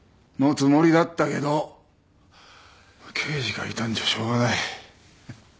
のつもりだったけど刑事がいたんじゃしょうがない。